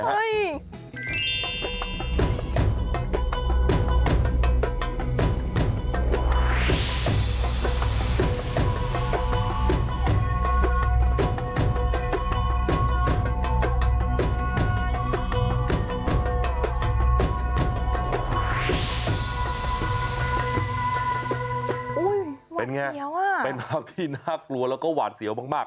อุ๊ยหวานเสียวน่ะเป็นไงเป็นภาพที่น่ากลัวแล้วก็หวานเสียวมาก